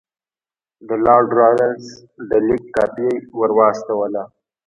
د لارډ لارنس د لیک کاپي ورواستوله.